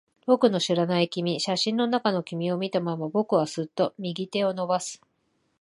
僕の知らない君。写真の中の君を見たまま、僕はすっと右手を伸ばす。